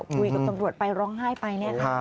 คุยกับตำรวจไปร้องไห้ไป